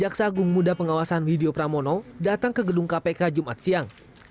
jaksa agung muda pengawasan video prasarana mono datang ke gedung kpk jumat siang